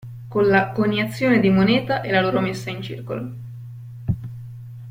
Con la coniazione di moneta e la loro messa in circolo.